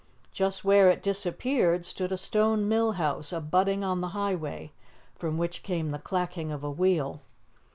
Just where it disappeared stood a stone mill house abutting on the highway, from which came the clacking of a wheel.